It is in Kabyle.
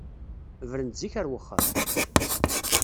Bren-d zik ar wexxam!